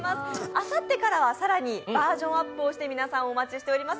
あさってからは更にバージョンアップをして皆さんをお待ちしております。